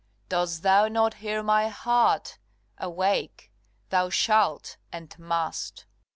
Dost thou not hear my heart? Awake! thou shalt, and must.